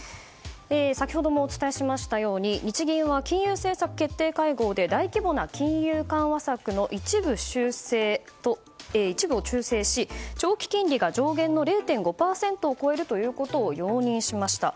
先ほどもお伝えしましたように日銀は金融政策決定会合で大規模な金融緩和策の一部を修正し長期金利が上限の０．５％を超えるということを容認しました。